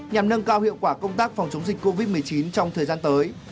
nhằm nâng cao hiệu quả công tác phòng chống dịch covid một mươi chín trong thời gian tới